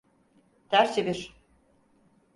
Ters çevir.